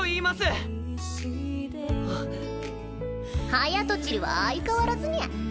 はやとちりは相変わらずニャ。